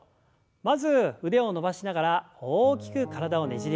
まず腕を伸ばしながら大きく体をねじります。